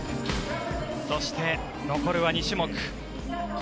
そして、残るは２種目。